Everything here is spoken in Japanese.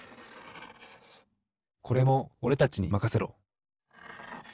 これもおれたちにまかせろ！